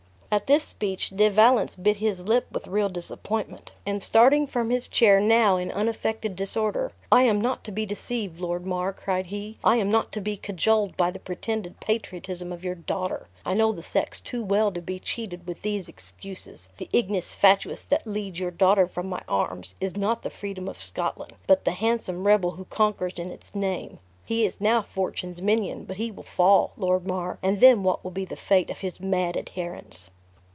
At this speech De Valence bit his lip with real disappointment; and starting from his chair now in unaffected disorder, "I am not to be deceived, Lord Mar," cried he; "I am not to be cajoled by the pretended patriotism of your daughter; I know the sex too well to be cheated with these excuses. The ignis fatuus that leads your daughter from my arms, is not the freedom of Scotland, but the handsome rebel who conquers in its name! He is now fortune's minion, but he will fall, Lord Mar, and then what will be the fate of his mad adherents?"